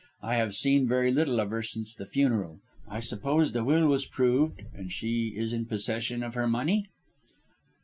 I have seen very little of her since the funeral. I suppose the will was proved and she is in possession of her money?"